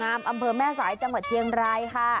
อยู่ในอำเภอแม่สายจังหวัดเทียงร้าย